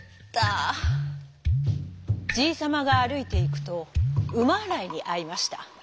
じいさまがあるいていくとうまあらいにあいました。